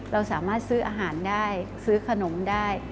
เราสามารถซื้ออาหารได้ซื้อขนมได้